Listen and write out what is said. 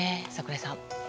櫻井さん。